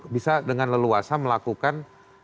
bisa dengan leluasa melakukan